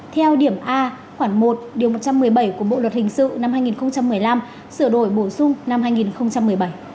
theo điểm a khoảng một điều một trăm một mươi bảy của bộ luật hình sự năm hai nghìn một mươi năm sửa đổi bổ sung năm hai nghìn một mươi bảy